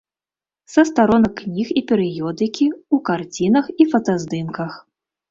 Са старонак кніг і перыёдыкі, у карцінах і фотаздымках.